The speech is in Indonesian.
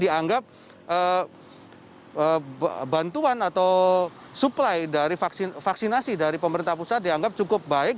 dianggap bantuan atau supply dari vaksinasi dari pemerintah pusat dianggap cukup baik